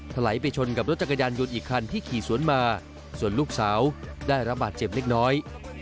ไหลไปชนกับรถจักรยานยนต์อีกคันที่ขี่สวนมาส่วนลูกสาวได้รับบาดเจ็บเล็กน้อย